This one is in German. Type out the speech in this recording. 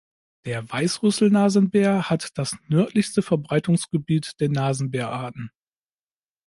Der Weißrüssel-Nasenbär hat das nördlichste Verbreitungsgebiet der Nasenbär-Arten.